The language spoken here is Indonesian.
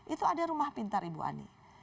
itu ada rumah pintar ibu ani